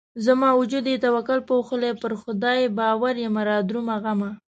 زما وجود يې توکل پوښلی پر خدای ج باور يمه رادرومه غمه